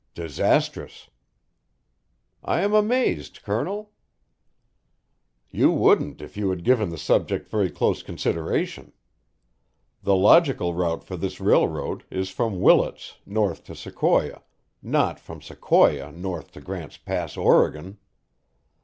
"Disastrous." "I am amazed, Colonel." "You wouldn't if you had given the subject very close consideration. The logical route for this railroad is from Willits north to Sequoia, not from Sequoia north to Grant's Pass, Oregon.